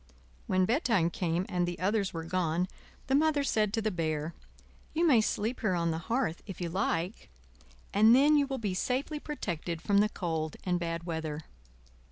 When bedtime came and the others were gone, the Mother said to the Bear: "You may sleep here on the hearth if you like, and then you will be safely protected from the cold and bad weather."